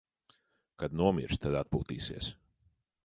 Kad nomirsi, tad atpūtīsies.